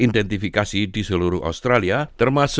dan apakah itu pelajaran kelas